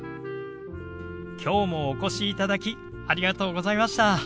今日もお越しいただきありがとうございました。